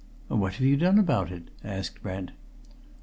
"What have you done about it?" asked Brent.